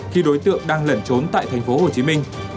khi đối tượng đang lẩn trốn tại thành phố hồ chí minh